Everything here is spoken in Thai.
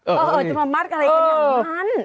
เออจะมามัดอะไรกันอย่างนั้น